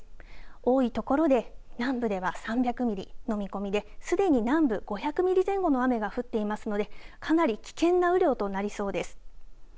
多いところで南部では３００ミリの見込みで、すでに南部５００ミリ前後の雨が降っていますのでかなり危険な雨量となりそうです。